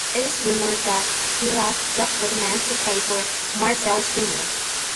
It is rumored that Piaf slept with a man to pay for Marcelle's funeral.